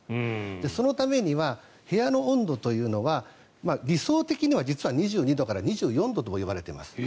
そのためには部屋の温度というのは理想的には２２度とから２４度と呼ばれています。